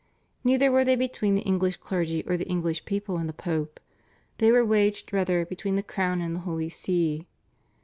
Neither were they between the English clergy or the English people and the Pope; they were waged rather between the Crown and the Holy See.